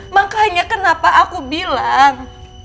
makanya kenapa aku bilang